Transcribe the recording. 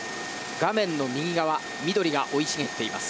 画面の右側緑が生い茂っています。